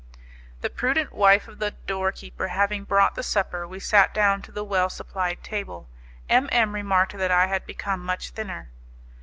The prudent wife of the door keeper having brought the supper, we sat down to the well supplied table. M M remarked that I had become much thinner.